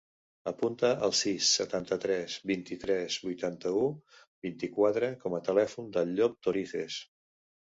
Apunta el sis, setanta-tres, vint-i-tres, vuitanta-u, vint-i-quatre com a telèfon del Llop Torices.